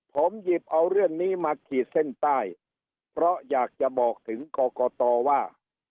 ผมหยิบเอาเรื่องนี้มาขีดเส้นใต้เพราะอยากจะบอกถึงกรกตว่า